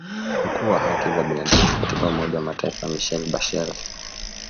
mkuu wa haki za binadamu katika Umoja wa Mataifa Michelle Bachelet